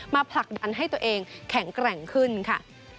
ผลักดันให้ตัวเองแข็งแกร่งขึ้นค่ะ